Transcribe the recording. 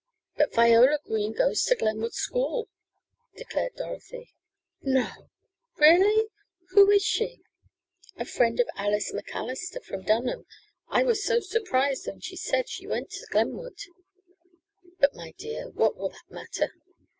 "But Viola Green goes to Glenwood School!" declared Dorothy. "No! Really? Who is she?" "A friend of Alice MacAllister, from Dunham. I was so surprised when she said she went to Glenwood." "But, my dear, what will that matter?